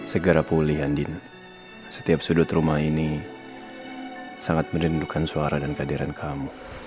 segera pulih andin setiap sudut rumah ini sangat merindukan suara dan kehadiran kamu